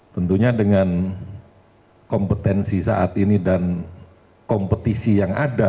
tentunya dengan kompetensi saat ini dan kompetisi yang ada